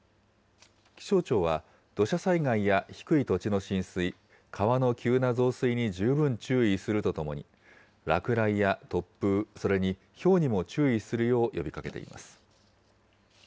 気象庁は、土砂災害や低い土地の浸水、川の急な増水に十分注意するとともに、落雷や突風、それにひょうにも注意するよう呼びかけています。